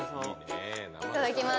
いただきます